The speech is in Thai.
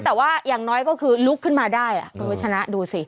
แต่ว่าอย่างน้อยก็คือลุกขึ้นมาได้คุณวัชนะดูสิ